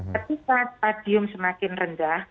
ketika stadium semakin rendah